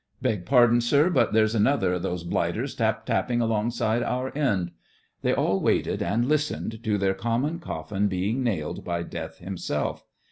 "Beg pardon, sir, but there's another of those blighters tap tapping alongside, our end." They all waited and listened to their common coflBn being nailed by Death himself.